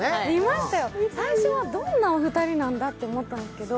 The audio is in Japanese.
最初はどんなお二人なんだって思ったんですけど